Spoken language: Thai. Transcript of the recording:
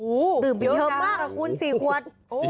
อู๋ดื่มเยอะมากค่ะคุณ๔ขวด